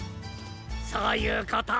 そういうこと。